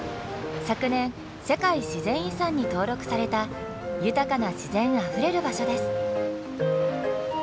昨年世界自然遺産に登録された豊かな自然あふれる場所です。